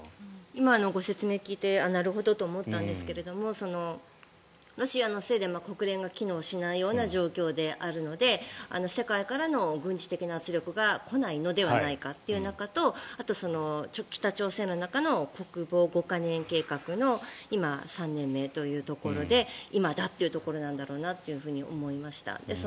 今のご説明を聞いてなるほどと思ったんですがロシアのせいで国連が機能しないような状況であるので世界からの軍事的な圧力が来ないのではないかという中とあと、北朝鮮の中の国防五カ年計画の今、３年目というところで今だというところなんだろうなと思いました。